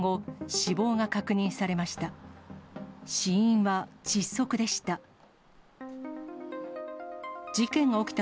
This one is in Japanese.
死因は窒息でした。